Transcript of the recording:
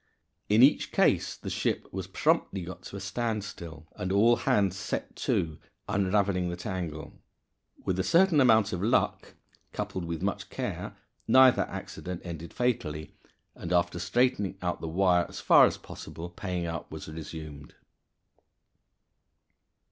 In each case the ship was promptly got to a standstill and all hands set to unraveling the tangle. With a certain amount of luck, coupled with much care, neither accident ended fatally; and, after straightening out the wire as far as possible, paying out was resumed.